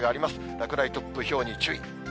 落雷、突風、ひょうに注意。